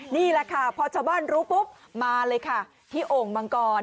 นี่แหละค่ะพอชาวบ้านรู้ปุ๊บมาเลยค่ะที่โอ่งมังกร